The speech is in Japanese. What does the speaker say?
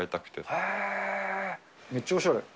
へー、めっちゃおしゃれ。